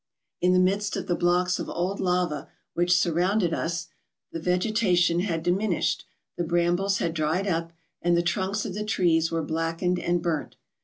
In the midst of the blocks of old lava which surrounded us, the vegeta¬ tion had diminished, the brambles had dried up, and the trunks of the trees were blackened and burnt.